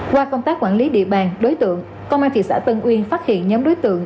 qua công tác quản lý địa bàn đối tượng công an thị xã tân uyên phát hiện nhóm đối tượng